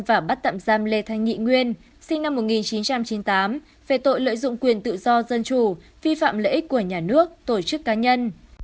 và bắt tạm giam lê thanh nghị nguyên sinh năm một nghìn chín trăm chín mươi tám về tội lợi dụng quyền tự do dân chủ vi phạm lợi ích của nhà nước tổ chức cá nhân